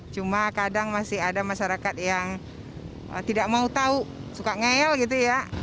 cuma kadang masih ada masyarakat yang tidak mau tahu suka ngel gitu ya